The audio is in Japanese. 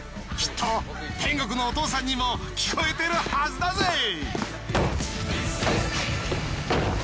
きっと天国のお父さんにも聞こえてるはずだぜ。